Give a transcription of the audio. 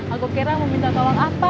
aku kira mau minta tolong apa